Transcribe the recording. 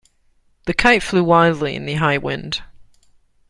The kite flew wildly in the high wind.